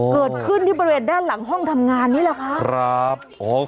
เกิดขึ้นที่บริเวณด้านหลังห้องทำงานนี่แหละครับ